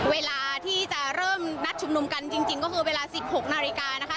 เวลาที่จะเริ่มนัดชุมนุมกันจริงก็คือเวลา๑๖นาฬิกานะคะ